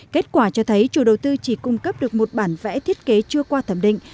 kết quả cho thấy chủ đầu tư chỉ cung cấp được một bản vẽ thiết kế chưa qua thẩm định